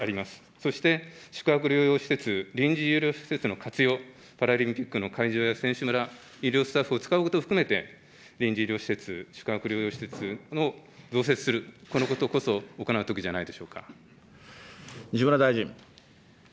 そして、宿泊療養施設、臨時療養施設の活用、パラリンピックの会場や選手村、医療スタッフを使うことを含めて、臨時医療施設、宿泊療養施設を増設する、このことこそ行っていくべきじゃないでし西村大臣。